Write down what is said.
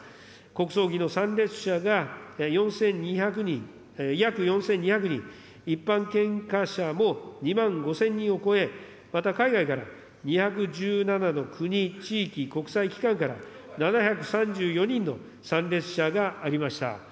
国葬儀の参列者が４２００人、約４２００人、一般献花者も２万５０００人を超え、また海外から２１７の国地域、国際機関から、７３４人の参列者がありました。